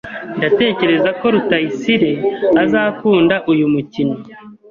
Ndatekereza ko Rutayisire azakunda uyu mukino.